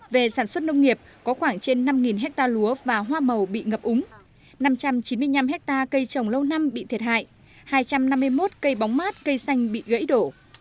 về sản xuất nông nghiệp có khoảng trên năm hectare lúa và hoa màu bị ngập úng năm trăm chín mươi năm hectare cây trồng lâu năm bị thiệt hại hai trăm năm mươi một cây bóng mát cây xanh bị gãy đổ